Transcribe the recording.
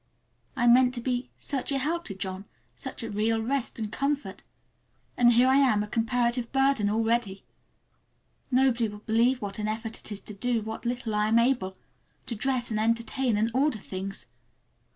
I meant to be such a help to John, such a real rest and comfort, and here I am a comparative burden already! Nobody would believe what an effort it is to do what little I am able—to dress and entertain, and order things.